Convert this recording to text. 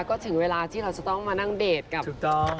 ก็ถึงเวลาที่เราจะต้องมานั่งเดทกับถูกต้อง